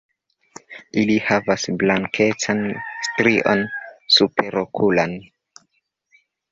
Ili havas blankecan strion superokulan.